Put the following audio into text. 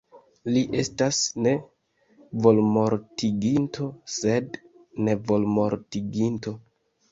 Li estas ne volmortiginto sed nevolmortiginto.